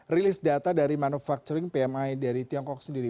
rilis data dari manufacturing pmi dari tiongkok sendiri